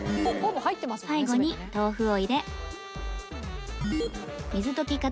最後に豆腐を入れ